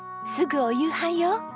すぐお夕飯よ。